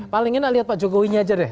paling enak lihat pak jokowinya aja deh